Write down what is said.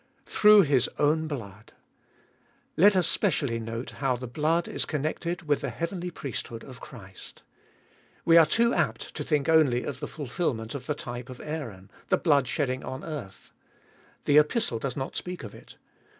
Through His own blood. Let us specially note how the blood is connected with the heavenly priesthood of Christ. We are too apt to think only of the fulfilment of the type of Aaron, the blood shedding on earth. The Epistle does not speak of it.